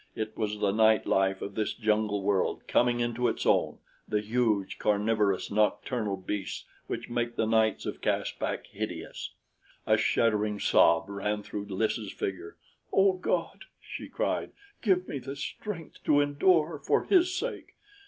It was the night life of this jungle world coming into its own the huge, carnivorous nocturnal beasts which make the nights of Caspak hideous. A shuddering sob ran through Lys' figure. "O God," she cried, "give me the strength to endure, for his sake!"